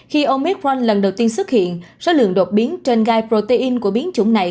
khi omicron lần đầu tiên xuất hiện số lượng đột biến trên gai protein của biến chủng này